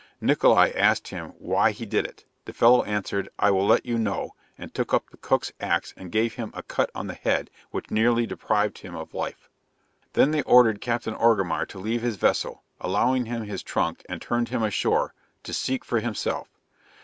Nickola asked him "why he did it?" the fellow answered, "I will let you know," and took up the cook's axe and gave him a cut on the head, which nearly deprived him of life. Then they ordered Captain Orgamar to leave his vessel, allowing him his trunk and turned him ashore, to seek for himself.